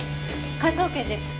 科捜研です。